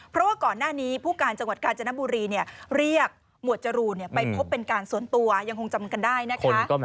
เพราะว่าก่อนหน้านี้ผู้การจังหวัดกาญจนบุรีเรียกหมวดจรูนไปพบเป็นการส่วนตัวยังคงจำกันได้นะคะ